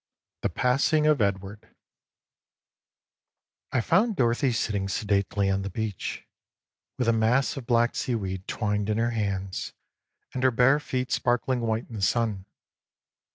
THE PASSING OF EDWARD I FOUND Dorothy sitting sedately on the beach, with a mass of black seaweed twined in her hands and her bare feet sparkling white in the sun.